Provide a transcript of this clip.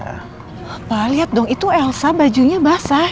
apa liat dong itu elsa bajunya basah